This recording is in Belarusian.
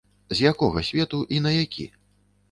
З якога свету і на які?